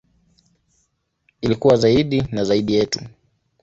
Ili kuwa zaidi na zaidi yetu.